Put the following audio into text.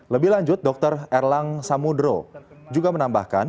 lebih lanjut dr erlang samudro juga menambahkan